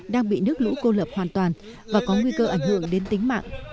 đang bị nước lũ cô lập hoàn toàn và có nguy cơ ảnh hưởng đến tính mạng